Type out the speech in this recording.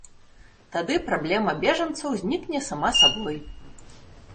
Тады праблема бежанцаў знікне сама сабой.